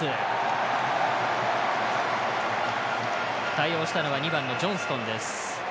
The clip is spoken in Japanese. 対応したのは２番のジョンストンです。